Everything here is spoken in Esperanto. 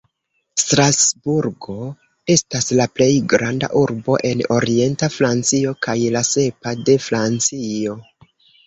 Strasburgo estas la plej granda urbo en orienta Francio, kaj la sepa de Francio.